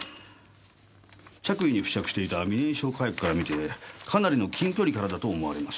着衣に付着していた未燃焼火薬から見てかなりの近距離からだと思われます。